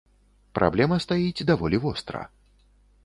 Праблема стаіць даволі востра.